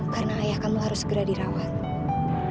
karena ayah kamu harus segera dirawat